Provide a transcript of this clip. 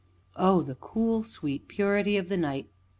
Oh! the cool, sweet purity of the night!